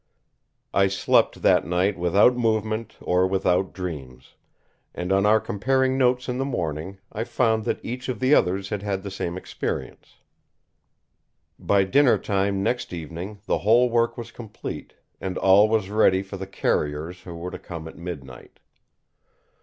I slept that night without movement or without dreams; and on our comparing notes in the morning, I found that each of the others had had the same experience. By dinner time next evening the whole work was complete, and all was ready for the carriers who were to come at midnight.